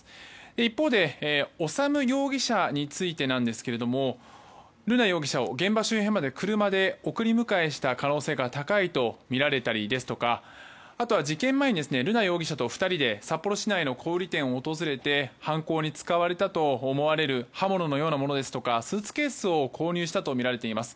一方で修容疑者についてなんですが瑠奈容疑者を現場周辺まで車で送り迎えした可能性が高いとみられたりですとかあと事件前に瑠奈容疑者と２人で札幌市内の小売店を訪れて犯行に使われたと思われる刃物のようなものですとかスーツケースを購入したとみられています。